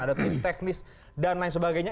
ada tim teknis dan lain sebagainya